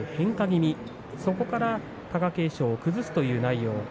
気味そこから貴景勝、崩すという内容。